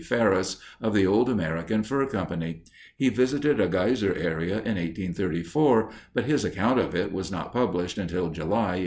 Ferris, of the old American Fur Company. He visited a geyser area in 1834, but his account of it was not published until July, 1842.